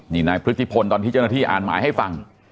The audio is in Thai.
นี่นายพฤติพลตอนที่เจ้าหน้าที่อ่านหมายให้ฟัง